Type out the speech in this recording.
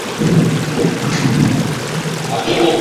i saa mbili na nusu kwa saa za afrika mashariki wakati afrika ya kati